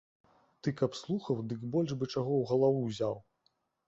Ты каб слухаў, дык больш бы чаго ў галаву ўзяў.